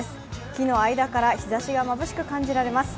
木の間から日ざしがまぶしく感じられます。